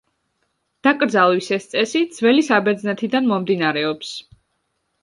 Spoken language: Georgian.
დაკრძალვის ეს წესი ძველი საბერძნეთიდან მომდინარეობს.